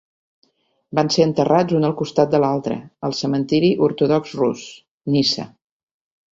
Van ser enterrats un al costat de l'altre al cementiri ortodox rus, Niça.